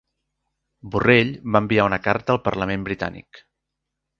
Borrell va enviar una carta al parlament britànic